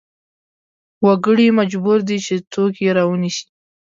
وګړي مجبور دي چې توکې راونیسي.